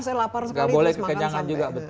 saya lapar sekali gak boleh kekenyangan juga